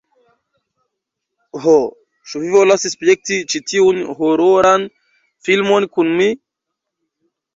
Ho, ĉu vi volas spekti ĉi tiun hororan filmon kun mi?